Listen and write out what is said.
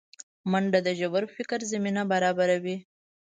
منډه د ژور فکر زمینه برابروي